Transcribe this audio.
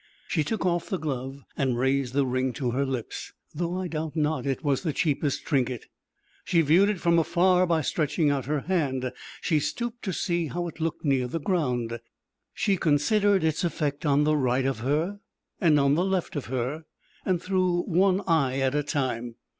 She took off the glove and raised the ring to her lips, though I doubt not it was the cheapest trinket. She viewed it from afar by stretching out her hand; she stooped to see how it looked near the ground; she considered its effect on the right of her and on the left of her and through one eye at a time.